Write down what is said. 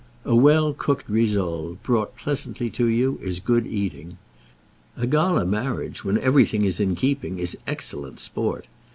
A well cooked rissole, brought pleasantly to you, is good eating. A gala marriage, when everything is in keeping, is excellent sport.